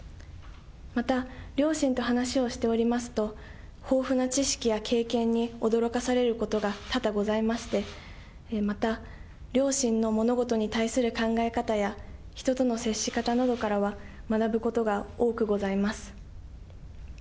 また両親と話をしておりますと、豊富な知識や経験に驚かされることが、多々ございまして、また、両親の物事に対する考え方や、人との接し方などからは学ぶことが多くございます。